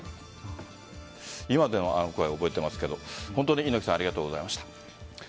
今でもあの声、覚えていますけど猪木さんありがとうございました。